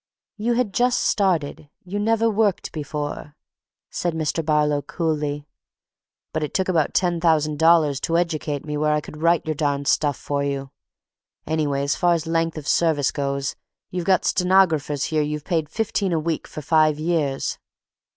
"You had just started. You'd never worked before," said Mr. Barlow coolly. "But it took about ten thousand dollars to educate me where I could write your darned stuff for you. Anyway, as far as length of service goes, you've got stenographers here you've paid fifteen a week for five years."